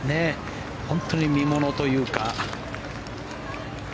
本当に見ものというか。